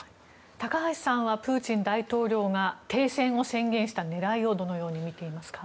高橋さんはプーチン大統領が停戦を宣言した狙いをどのようにみていますか？